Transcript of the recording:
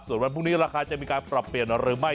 ส่วนวันพรุ่งนี้ราคาจะมีการปรับเปลี่ยนหรือไม่